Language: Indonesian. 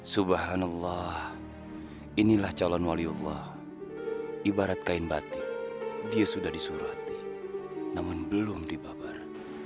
subhanallah inilah calon waliullah ibarat kain batik dia sudah disuruh hati namun belum dibabar